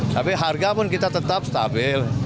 tapi harga pun kita tetap stabil